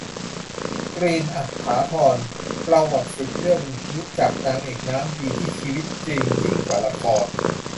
กรีน อัษฎาพร ประวัติ สิบ เรื่องรู้จักนางเอกน้ำดี ที่ชีวิตจริงยิ่งกว่าละคร